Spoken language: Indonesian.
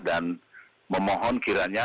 dan memohon kiranya